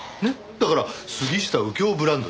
だから杉下右京ブランドで。